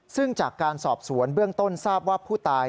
ซึ่งจากการสอบสวนเบื้องต้นทราบว่าผู้ตาย